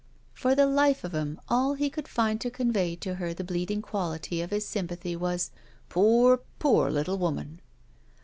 " For the life of him, all he could find to convey to her the bleeding quality of his sympathy was, "Poor, poor little woman!"